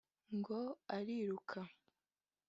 ngo ariruka